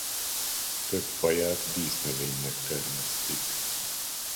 Több faját dísznövénynek termesztik.